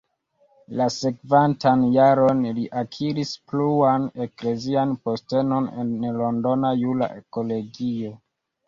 La sekvantan jaron li akiris pluan eklezian postenon en londona jura kolegio.